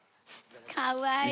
かわいいね。